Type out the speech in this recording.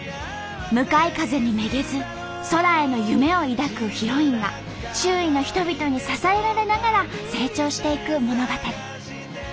向かい風にめげず空への夢を抱くヒロインが周囲の人々に支えられながら成長していく物語。